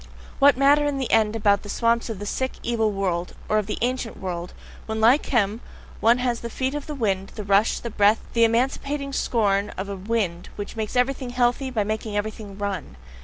What matter in the end about the swamps of the sick, evil world, or of the "ancient world," when like him, one has the feet of a wind, the rush, the breath, the emancipating scorn of a wind, which makes everything healthy, by making everything RUN!